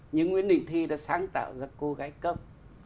nhưng nguyễn định thi đã sáng tạo ra cô gái cấm